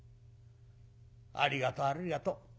ありがとうありがとう。